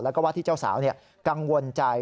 แล้วก็ว่าที่เจ้าสาวกังวลใจ